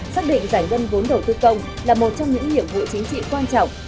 xác định giải ngân vốn đầu tư công là một trong những nhiệm vụ chính trị quan trọng